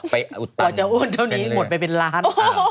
เราจะโอนเท่านี้หมดไปเป็นล้าน